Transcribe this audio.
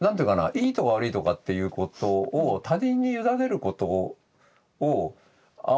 いいとか悪いとかっていうことを他人に委ねることをあんまりこう。